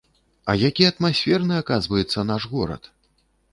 А які атмасферны, аказваецца, наш горад!